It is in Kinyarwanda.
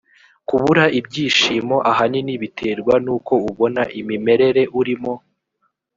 kubura ibyishimo ahanini biterwa n ‘uko ubona imimerere urimo.